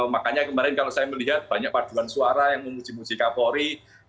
makanya kemarin kalau saya melihat banyak paduan suara yang memuji muji kapolri